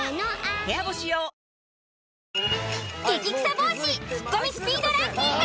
帽子ツッコミスピードランキング。